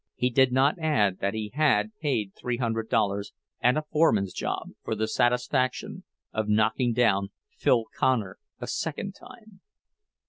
He did not add that he had paid three hundred dollars, and a foreman's job, for the satisfaction of knocking down "Phil" Connor a second time.